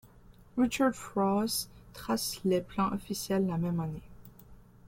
Richard Frost trace les plans officiels la même année.